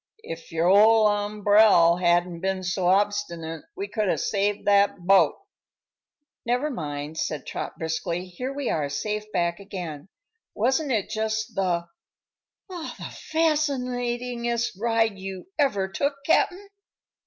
If your ol' umbrel hadn't been so obstinate we could have saved that boat." "Never mind," said Trot, briskly; "here we are safe back again. Wasn't it jus' the the fascinatingest ride you ever took, Cap'n?"